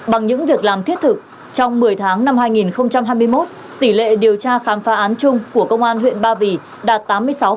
bằng những việc làm thiết thực trong một mươi tháng năm hai nghìn hai mươi một tỷ lệ điều tra khám phá án chung của công an huyện ba vì đạt tám mươi sáu